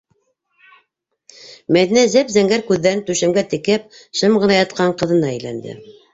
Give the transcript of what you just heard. - Мәҙинә зәп-зәңгәр күҙҙәрен түшәмгә текәп шым ғына ятҡан ҡыҙына әйләнде.